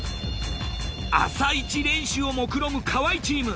朝イチ連取をもくろむ河合チーム。